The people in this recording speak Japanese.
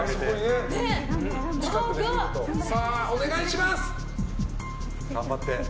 さあ、お願いします。